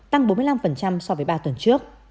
tăng bốn mươi năm so với ba tuần trước